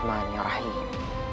ya allah ja